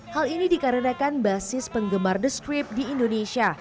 hal ini dikarenakan basis penggemar the script di indonesia